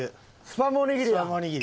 スパムおにぎり。